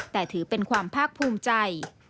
แต่ถือเป็นความภาคภูมิใจ